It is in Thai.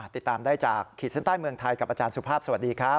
ติดตามได้จากขีดเส้นใต้เมืองไทยกับอาจารย์สุภาพสวัสดีครับ